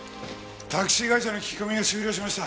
タクシー会社の聞き込みが終了しました。